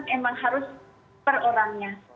emang harus per orangnya